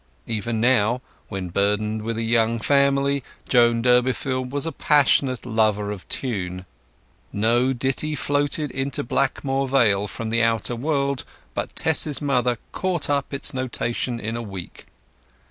Even now, when burdened with a young family, Joan Durbeyfield was a passionate lover of tune. No ditty floated into Blackmoor Vale from the outer world but Tess's mother caught up its notation in a week.